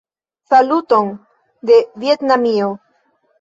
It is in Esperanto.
Saluton de Vjetnamio!